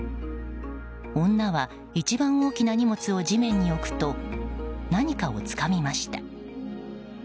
女は一番大きな荷物を地面に置くと何かをつかみました。